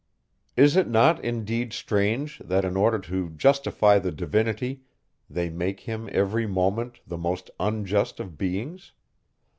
Is it not indeed strange, that in order to justify the Divinity, they make him every moment the most unjust of beings!